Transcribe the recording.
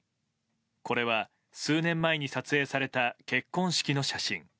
これは数年前に撮影された結婚式の写真。